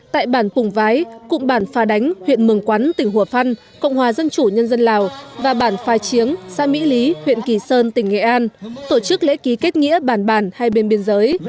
tại bản pùng vái cụm bản pha đánh huyện mường quán tỉnh hùa phan cộng hòa dân chủ nhân dân lào và bản pha chiếng xã mỹ lý huyện kỳ sơn tỉnh nghệ an tổ chức lễ ký kết nghĩa bản bản hai bên biên giới